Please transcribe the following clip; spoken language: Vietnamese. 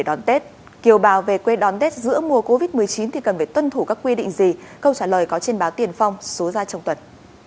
đón tết kiều bào về quê đón tết giữa mùa covid một mươi chín thì cần phải tuân thủ các quy định gì câu trả lời có trên báo tiền phong số ra trong tuần